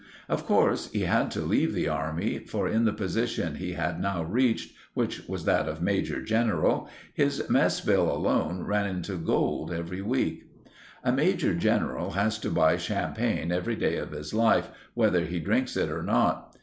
Of course he had to leave the army, for in the position he had now reached, which was that of major general, his mess bill alone ran into gold every week. A major general has to buy champagne every day of his life, whether he drinks it or not.